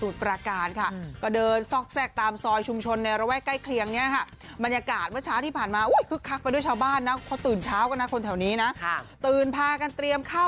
มาตากบาดวันพระใหญ่ค่ะ